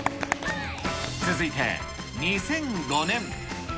続いて、２００５年。